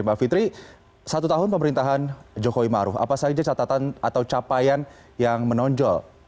mbak fitri satu tahun pemerintahan jokowi maruf apa saja catatan atau capaian yang menonjol